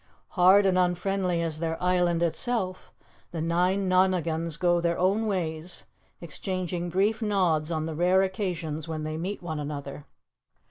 Hard and unfriendly as their island itself, the nine Nonagons go their own ways, exchanging brief nods on the rare occasions when they meet one another.